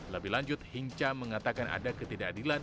lebih lanjut hinca mengatakan ada ketidakadilan